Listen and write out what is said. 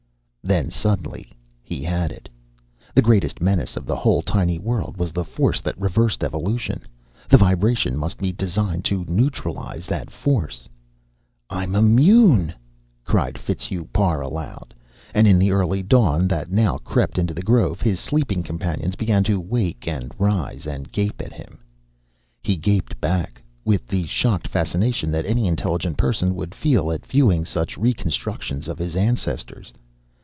Then, suddenly, he had it. The greatest menace of the whole tiny world was the force that reversed evolution the vibration must be designed to neutralize that force! "I'm immune!" cried Fitzhugh Parr aloud; and, in the early dawn that now crept into the grove, his sleeping companions began to wake and rise and gape at him. He gaped back, with the shocked fascination that any intelligent person would feel at viewing such reconstructions of his ancestors.